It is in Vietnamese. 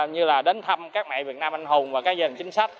như là đến thăm các mẹ việt nam anh hùng và các gia đình chính sách